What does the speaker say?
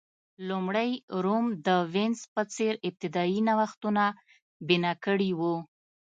لومړی روم د وینز په څېر ابتدايي نوښتونه بنا کړي وو